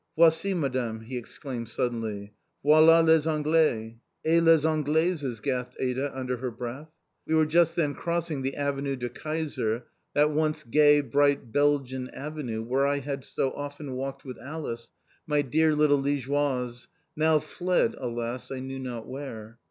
"Voici, Madame," he exclaimed suddenly. "Voilà les Anglais." "Et les Anglaises," gasped Ada under her breath. We were just then crossing the Avenue de Kaiser that once gay, bright Belgian Avenue where I had so often walked with Alice, my dear little Liègeoise, now fled, alas, I knew not where.